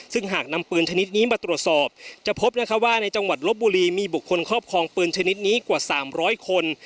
ซึ่งหากนำปืนชนิดนี้มาตรวจสอบจะพบนะคะว่าในจังหวัดลบบุรีมีบุคคลครอบครองปืนชนิดนี้กว่า๓๐๐คน